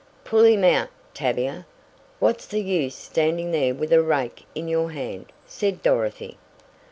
"Pull him out, Tavia! What's the use standing there with a rake in your hand," said Dorothy.